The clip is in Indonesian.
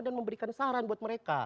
dan memberikan saran buat mereka